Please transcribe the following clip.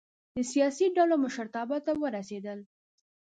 د سیاسي ډلو مشرتابه ته ورسېدل.